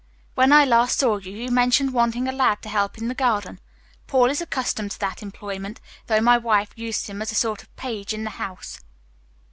When I last saw you you mentioned wanting a lad to help in the garden; Paul is accustomed to that employment, though my wife used him as a sort of page in the house.